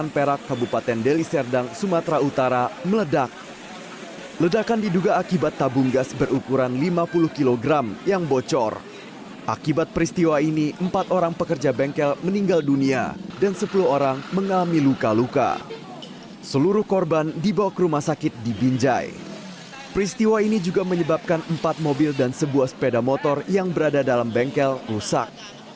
peristiwa ini juga menyebabkan empat mobil dan sebuah sepeda motor yang berada dalam bengkel rusak